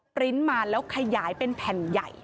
ปริ้นต์มาแล้วขยายเป็นแผ่นใหญ่